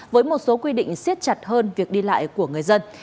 với một số quy định siết chặt hơn việc đi lại của người dân